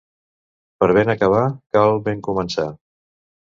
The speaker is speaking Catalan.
Per ben acabar cal ben començar.